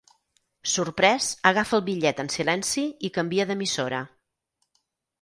Sorprès, agafa el bitllet en silenci i canvia d'emissora.